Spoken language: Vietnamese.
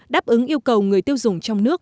đáp ứng yêu cầu người tiêu dùng trong nước